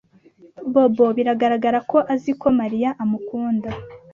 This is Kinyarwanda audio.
Bobo biragaragara ko azi ko Mariya amukunda.